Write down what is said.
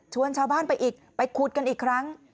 ชาวบ้านไปอีกไปขุดกันอีกครั้ง